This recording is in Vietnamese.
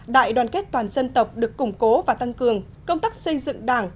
đại đoàn kết toàn dân tộc được củng cố và tăng cường công tác xây dựng đảng